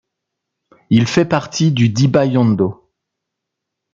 Il fait partie du d'Ibaiondo.